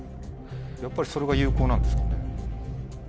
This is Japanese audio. やっぱりそれが有効なんですかね？